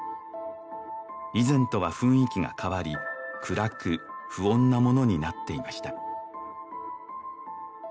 以前とは雰囲気が変わり暗く不穏なものになっていました